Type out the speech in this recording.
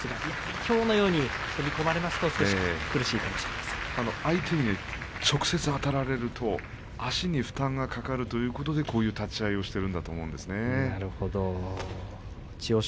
きょうのように踏み込まれますと相手に直接あたられると足に負担がかかるということでこういう立ち合いを千代翔